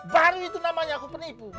baru itu namanya aku penipu